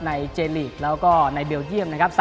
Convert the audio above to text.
เจลีกแล้วก็ในเบลเยี่ยมนะครับ